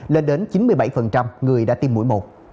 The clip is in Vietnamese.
lên đến chín mươi bảy người đã tiêm mũi một